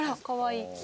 かわいい。